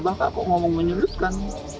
bapak kok ngomong menyebutkan